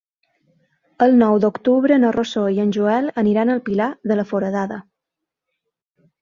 El nou d'octubre na Rosó i en Joel aniran al Pilar de la Foradada.